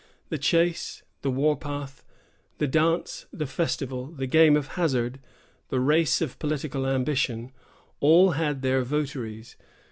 The chase, the warpath, the dance, the festival, the game of hazard, the race of political ambition, all had their votaries.